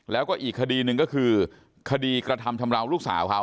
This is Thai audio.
แล้วก็อีกคดีหนึ่งก็คือคดีกระทำชำราวลูกสาวเขา